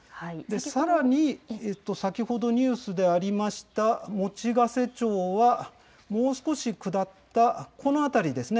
さらに、先ほどニュースでありました用瀬町は、もう少し下ったこの辺りですね。